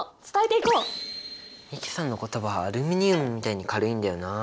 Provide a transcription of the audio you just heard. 美樹さんの言葉はアルミニウムみたいに軽いんだよな。